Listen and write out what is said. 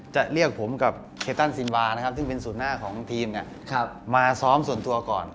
จะเรียกผมกับเคตันซินวานะครับซึ่งเป็นศูนย์หน้าของทีมมาซ้อมส่วนตัวก่อน